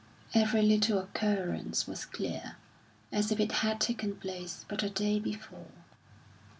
Every little occurrence was clear, as if it had taken place but a day before.